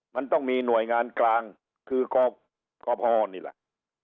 มันต้องมีหน่วยงานกลางคือกพนี่แหละ